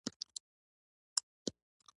په لومړیو کې یې یوازې سیاسي اړخ درلود.